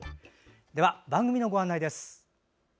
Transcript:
番組のご案内です。